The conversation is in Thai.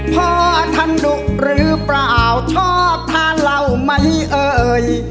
พ่อธนุหรือเปล่าชอบทานเหล้าไหมเอ่ย